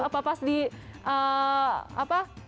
apa pas di apa